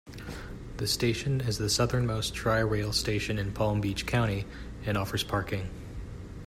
The station is the southernmost Tri-Rail station in Palm Beach County, and offers parking.